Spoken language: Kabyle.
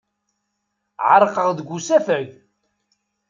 Ɛerqeɣ deg usafag.